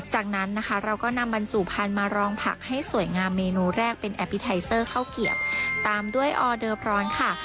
จากนั้นนะคะเราก็นำบรรจุพันธุ์มารองผักให้สวยงามเมนูแรกเป็นแอปพลิไทเซอร์ข้าวเกียบตามด้วยออเดอร์ร้อนค่ะ